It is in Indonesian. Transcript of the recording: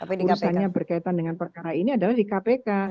putusannya berkaitan dengan perkara ini adalah di kpk